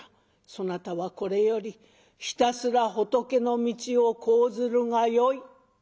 そなたはこれよりひたすら仏の道を講ずるがよい」。